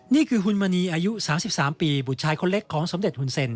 นี่คือฮุนมะนีอายุ๓๓ปีบุจชายคนเล็กของสมเด็จฮุนเซ็นต์